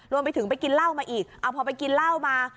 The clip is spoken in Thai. รวมไปถึงไปกินเหล้ามาอีกเอาพอไปกินเหล้ามา